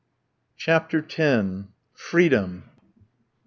CHAPTER X. FREEDOM!